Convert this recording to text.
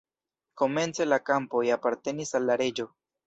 Komence la kampoj apartenis al la reĝo.